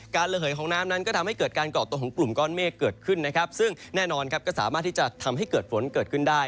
ระเหยของน้ำนั้นก็ทำให้เกิดการเกาะตัวของกลุ่มก้อนเมฆเกิดขึ้นนะครับซึ่งแน่นอนครับก็สามารถที่จะทำให้เกิดฝนเกิดขึ้นได้